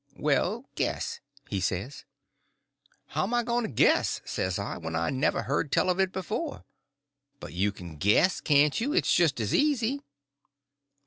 "Well, guess," he says. "How'm I going to guess," says I, "when I never heard tell of it before?" "But you can guess, can't you? It's just as easy."